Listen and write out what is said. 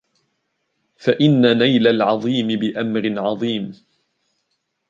فَإِنَّ نَيْلَ الْعَظِيمِ بِأَمْرٍ عَظِيمٍ